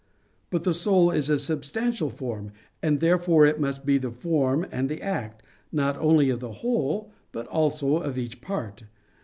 But the soul is a substantial form; and therefore it must be the form and the act, not only of the whole, but also of each part.